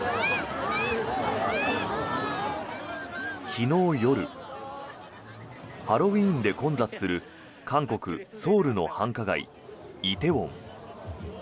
昨日夜ハロウィーンで混雑する韓国ソウルの繁華街、梨泰院。